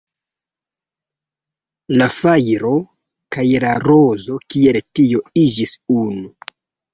La fajro kaj la rozo, kiel tio, iĝis unu.